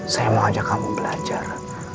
saya mau ajak kamu belajar